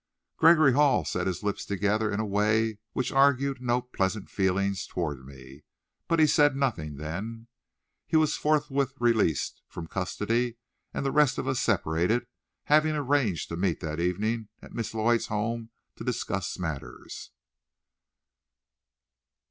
Gregory Hall set his lips together in a way which argued no pleasant feelings toward me, but he said nothing then. He was forthwith released from custody, and the rest of us separated; having arranged to meet that evening at Miss Lloyd's home to discuss matters.